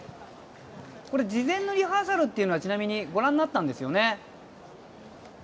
事前のリハーサルというのはご覧になったんですよね。